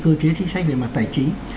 cơ chế chính sách về mặt tài chính